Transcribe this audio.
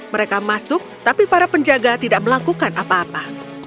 mereka masuk tapi para penjaga tidak melakukan apa apa